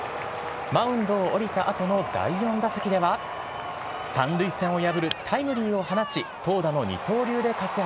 マウンドを降りた後の第４打席では三塁線を破るタイムリーを放ち投打の二刀流で活躍。